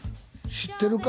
知ってるか？